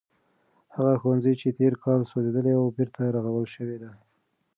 هغه ښوونځی چې تیر کال سوځېدلی و بېرته رغول شوی دی.